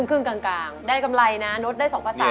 ครึ่งกลางได้กำไรนะลดได้๒ภาษา